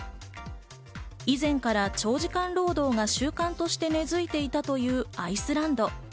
以前から長時間労働が習慣として根づいていたというアイスランド。